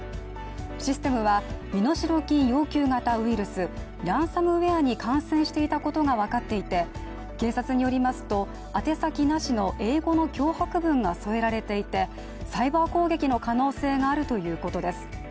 システムは身代金要求型ウイルス＝ランサムウェアに感染していたことが分かっていて警察によりますと英語の脅迫文が添えられていてサイバー攻撃の可能性があるということです。